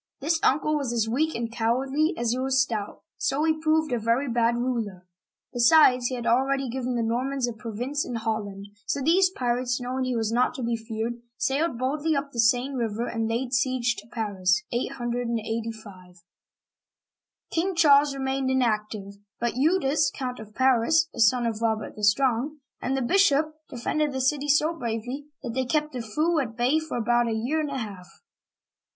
This uncle was as weak and cowardly as he was stout, so he proved a very bad ruler. Besides, he had already given the Normans a province in Holland, so these pirates, knowing he was not to be feared, sailed boldly up the Seine River and laid siege to Paris (885). King Charles remained inactive, but Eudes (ed), Count of Paris (a son of Robert the Strong), and the bishop, de fended the city so bravely that they kept the foe at bay for about a year and a half.